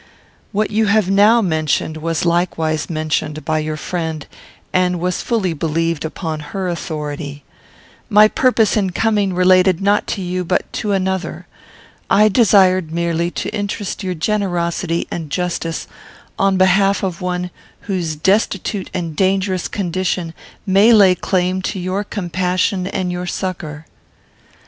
What you have now mentioned was likewise mentioned by your friend, and was fully believed upon her authority. My purpose, in coming, related not to you, but to another. I desired merely to interest your generosity and justice on behalf of one whose destitute and dangerous condition may lay claim to your compassion and your succour."